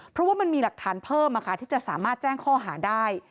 เพราะว่ามันมีหลักฐานเพิ่มที่จะสามารถแจ้งข้อหาได้